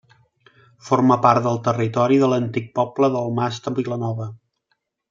Forma part del territori de l'antic poble del Mas de Vilanova.